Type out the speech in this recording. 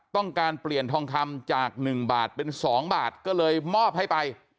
ต้องการเปลี่ยนทองคำจาก๑บาทเป็น๒บาทก็เลยมอบให้ไป